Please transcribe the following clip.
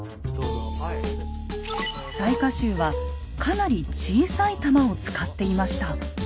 雑賀衆はかなり小さい弾を使っていました。